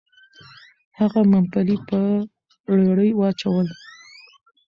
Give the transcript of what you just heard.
هغه ممپلي په رېړۍ واچول. .